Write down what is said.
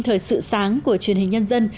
thời sự sáng của truyền hình nhân dân